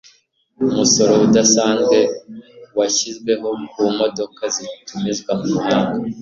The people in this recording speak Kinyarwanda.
Umusoro udasanzwe washyizweho ku modoka zitumizwa mu mahanga.